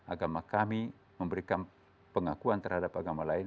agama kami memberikan pengakuan terhadap agama lain